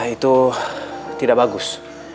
itu tidak bagus